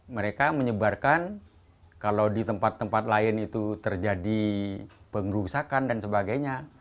mereka menyebarkan kalau di tempat tempat lain itu terjadi pengerusakan dan sebagainya